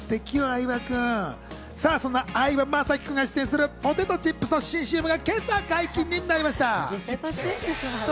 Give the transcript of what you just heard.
相葉雅紀君が出演するポテトチップスの新ＣＭが今朝解禁になりました。